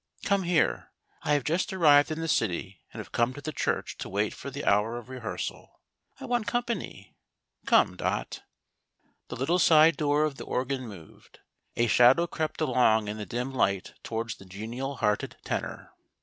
Come here. I have just arrived in the city, and have come to the church to wait for the hour, of rehearsal. I want company. Come, Dot." The little side door of the organ moved : a shadow crept along in the dim light towards the genial hearted Tenor.